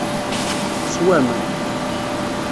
Teswam.